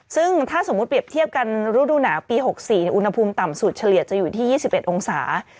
ซึ่งถ้าสมมุติเปรียบเทียบกันฤดูหนาวปี๖๔อุณหภูมิต่ำสุดเฉลี่ยจะอยู่ที่๒๑องศา